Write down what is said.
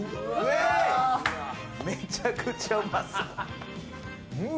めちゃくちゃうまそう。